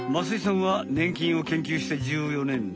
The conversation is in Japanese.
増井さんはねん菌を研究して１４年。